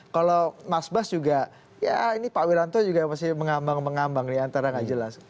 kalau mas bas juga ya ini pak wiranto juga masih mengambang mengambang di antara nggak jelas